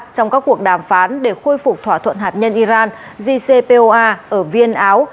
trong các cuộc đàm phán để khôi phục thỏa thuận hạt nhân iran jcpoa ở viên áo